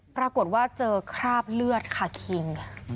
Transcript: ปรากฏว่าเจอคราบเลือดค่ะคิง